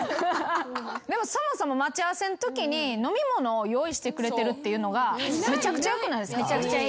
でもそもそも待ち合わせのときに飲み物を用意してくれてるっていうのがめちゃくちゃよくないですか？